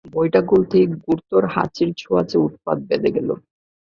বইটা খুলতেই ঘোরতর হাঁচির ছোঁয়াচে উৎপাত বেধে গেল।